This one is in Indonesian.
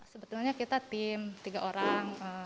sebetulnya kita tim tiga orang